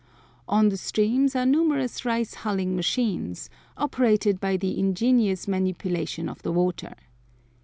On the streams are numerous rice hulling machines, operated by the ingenious manipulation of the water.